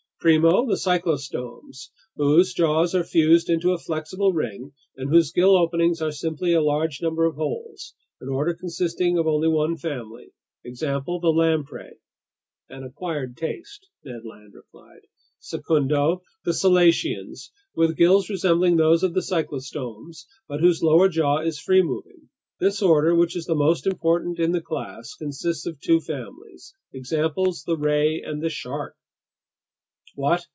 "Primo, the cyclostomes, whose jaws are fused into a flexible ring and whose gill openings are simply a large number of holes, an order consisting of only one family. Example: the lamprey." "An acquired taste," Ned Land replied. "Secundo, the selacians, with gills resembling those of the cyclostomes but whose lower jaw is free moving. This order, which is the most important in the class, consists of two families. Examples: the ray and the shark." "What!"